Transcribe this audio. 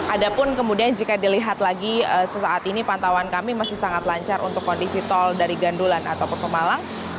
ada pun kemudian jika dilihat lagi sesaat ini pantauan kami masih sangat lancar untuk kondisi tol dari gandulan ataupun pemalang